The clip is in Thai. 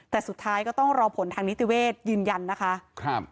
แต่สุดท้ายก็ต้องรอผลทางนิติเวทยืนยันนะคะครับ